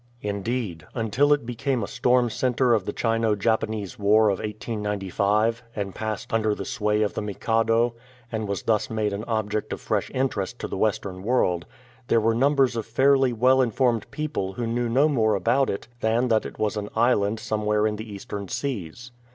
In deed, until it became a storm centre of the Chino Japanese War of 1895, and passed under the sway of the Mikado, and was thus made an object of fresh interest to the Western world, there were numbers of fairly well informed people who knew no more about it than that it was an island somewhere in the Eastern Seas.